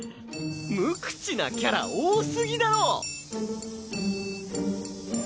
無口なキャラ多過ぎだろ！